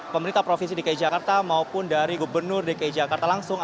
pemerintah provinsi dki jakarta maupun dari gubernur dki jakarta langsung